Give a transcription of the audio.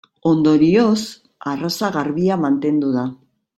Ondorioz arraza garbia mantendu da.